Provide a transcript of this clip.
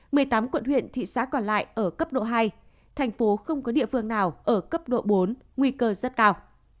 một mươi tám quận huyện thị xã còn lại ở cấp độ hai thành phố không có địa phương nào ở cấp độ bốn nguy cơ rất cao